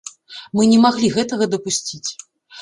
Мы не маглі гэтага дапусціць.